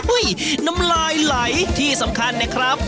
น้ำลายไหลที่สำคัญนะครับ